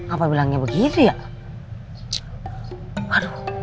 apa bilangnya begitu ya